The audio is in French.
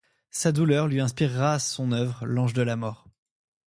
Sa douleur lui inspirera son œuvre L'ange de la Mort.